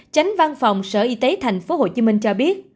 tránh văn phòng sở y tế tp hcm cho biết